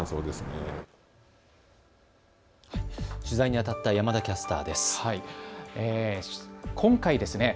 取材にあたった山田キャスターです。